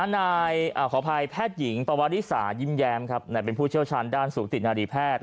นายขออภัยแพทย์หญิงปวริสายิ้มแย้มเป็นผู้เชี่ยวชาญด้านสูตินารีแพทย์